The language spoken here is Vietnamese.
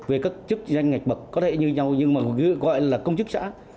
về các chức danh ngạch bậc có thể như nhau nhưng mà gọi là công chức xã